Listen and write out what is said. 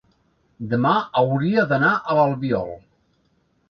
demà hauria d'anar a l'Albiol.